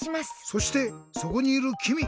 そしてそこにいるきみ！